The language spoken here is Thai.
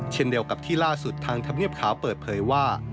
เช่นเดียวกับที่ล่าสุดทางธรรมเนียบขาวเปิดเผยว่า